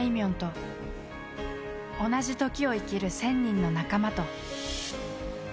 んと同じ時を生きる１，０００人の仲間と。